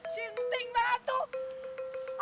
sinting banget tuh